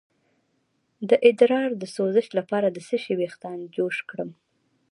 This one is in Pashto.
د ادرار د سوزش لپاره د څه شي ویښتان جوش کړم؟